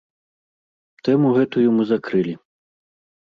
Тэму гэтую мы закрылі.